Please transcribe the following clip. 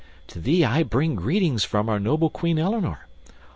To thee I bring greetings from our noble Queen Eleanor.